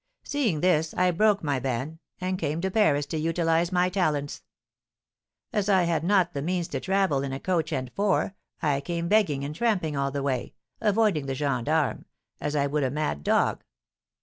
Seeing this, I broke my ban, and came to Paris to utilise my talents. As I had not the means to travel in a coach and four, I came begging and tramping all the way, avoiding the gens d'armes as I would a mad dog.